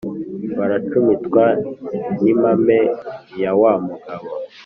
baracumitwa n’impame ya wa mugabo,